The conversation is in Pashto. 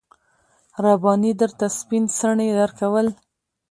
رباني درته سپين څڼې درکول.